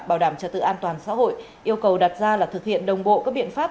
bảo đảm trật tự an toàn xã hội yêu cầu đặt ra là thực hiện đồng bộ các biện pháp